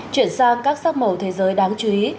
chuyển sang các sắc màu thế giới đáng chú ý